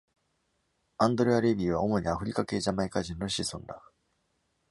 アンドレア・レヴィは主にアフリカ系ジャマイカ人の子孫だ。